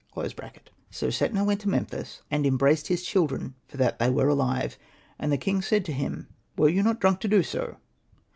] So Setna went to Memphis, and embraced his children for that they were alive. And the king said to him, '' Were you not drunk to do so